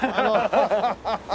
ハハハハハ。